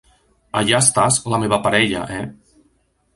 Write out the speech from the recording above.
Allà estàs, la meva parella, eh?